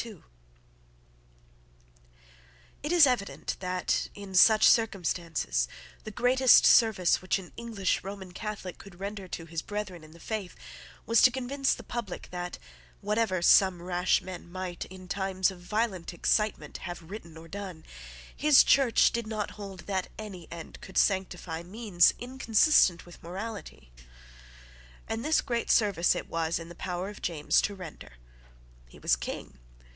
It is evident that, in such circumstances, the greatest service which an English Roman Catholic could render to his brethren in the faith was to convince the public that, whatever some rash men might, in times of violent excitement, have written or done, his Church did not hold that any end could sanctify means inconsistent with morality. And this great service it was in the power of James to render. He was King.